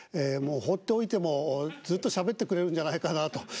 もう放っておいてもずっとしゃべってくれるんじゃないかなと。